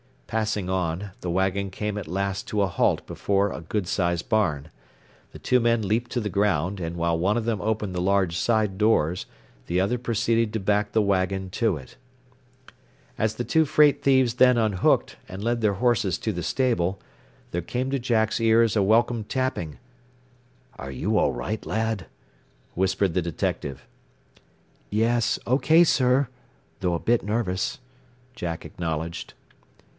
Passing on, the wagon came at last to a halt before a good sized barn. The two men leaped to the ground, and while one of them opened the large side doors the other proceeded to back the wagon to it. As the two freight thieves then unhooked, and led their horses to the stable, there came to Jack's ears a welcome tapping. "Are you all right, lad?" whispered the detective. "Yes, O K, sir, though a bit nervous," Jack acknowledged.